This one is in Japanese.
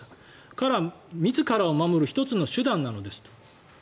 から、自らを守る１つの手段なのですと。